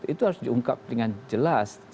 itu harus diungkap dengan jelas